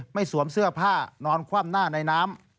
สวมเสื้อผ้านอนคว่ำหน้าในน้ำ